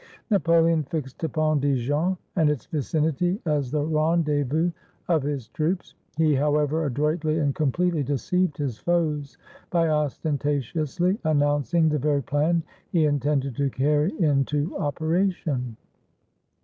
Napoleon fixed upon Dijon and its vicinity as the rendezvous of his troops. He, however, adroitly and completely deceived his foes by ostentatiously announc ing the very plan he intended to carry into operation.